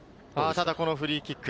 ただこのフリーキック。